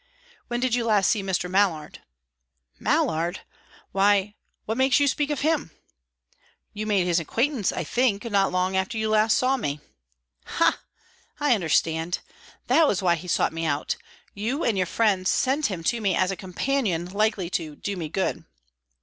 "When did you last see Mr. Mallard?" "Mallard? Why, what makes you speak of him?" "You made his acquaintance, I think, not long after you last saw me." "Ha! I understand. That was why he sought me out. You and your friends sent him to me as a companion likely to 'do me good.'"